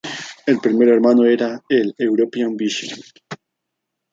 El primer hermano era el "European Vision".